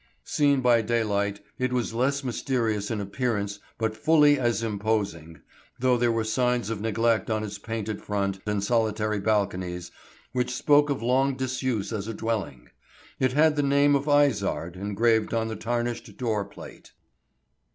Seen by daylight it was less mysterious in appearance but fully as imposing, though there were signs of neglect on its painted front and solitary balconies, which spoke of long disuse as a dwelling. It had the name of Izard engraved on the tarnished door plate.